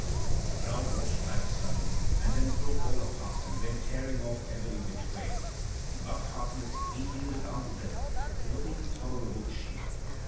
"The crowd washed back sudden, and then broke all apart, and went tearing oflF every which way, and Buck Harkness he heeled it after them, looking tolerable cheap.